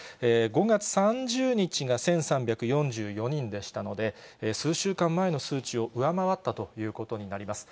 ５月３０日が１３４４人でしたので、数週間前の数値を上回ったということになります。